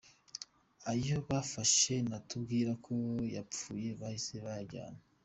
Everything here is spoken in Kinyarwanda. Ayo bafashe batubwira ko yapfuye bahise bayajyana.